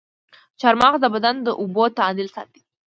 چارمغز د بدن د اوبو تعادل ساتي.